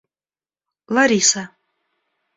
Лариса